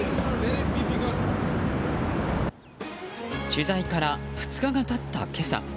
取材から２日が経った今朝。